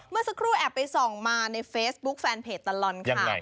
เมื่อสักครู่แอบไปส่องมาในเฟซบุ๊คแฟนเพจตลอดข่าว